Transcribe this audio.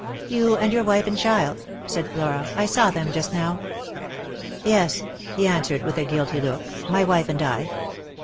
"You and your wife and child," said Flora; "I saw them just now." " Yes," he answered, with a guilty look, " my wife and I.